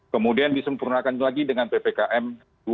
kemudian disempurnakan lagi dengan ppkm dua puluh